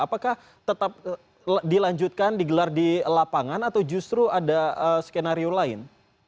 apakah tetap dilanjutkan digelar di lapangan atau justru ada skenario lain